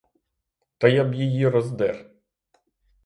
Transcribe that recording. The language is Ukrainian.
Та я б її роздер!